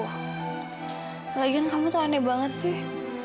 lagian kamu tuh aneh banget sih